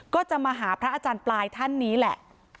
ก็จะมาหาพระอาจารย์ปลายท่านนี้แหละ